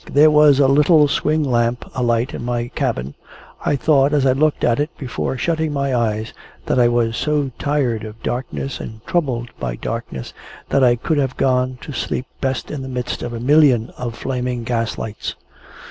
There was a little swing lamp alight in my cabin. I thought, as I looked at it before shutting my eyes, that I was so tired of darkness, and troubled by darkness, that I could have gone to sleep best in the midst of a million of flaming gas lights.